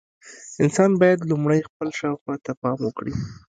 انسان باید لومړی خپل شاوخوا ته پام وکړي.